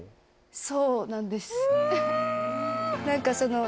そうなんですうわ！